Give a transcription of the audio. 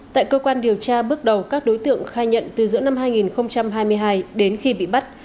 tại cơ quan điều tra bước đầu các đối tượng khai nhận từ giữa năm hai nghìn hai mươi hai đến khi bị bắt